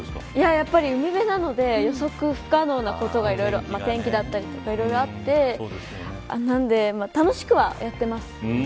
やっぱり海辺なので予測不可能なところがいろいろあってなので、楽しくはやってます。